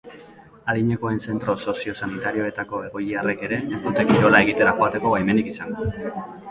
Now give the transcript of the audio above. Adinekoen zentro sozio-sanitarioetako egoiliarrek ere ez dute kirola egitera joateko baimenik izango.